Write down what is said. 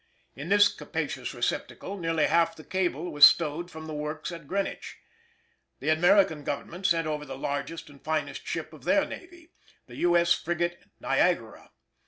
In this capacious receptacle nearly half the cable was stowed from the works at Greenwich. The American Government sent over the largest and finest ship of their navy, the U.S. frigate Niagara (Fig.